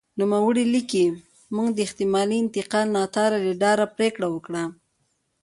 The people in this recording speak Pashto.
نوموړی لیکي موږ د احتمالي انتقالي ناتار له ډاره پرېکړه وکړه.